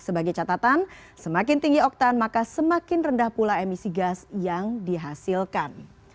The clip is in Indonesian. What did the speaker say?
sebagai catatan semakin tinggi oktan maka semakin rendah pula emisi gas yang dihasilkan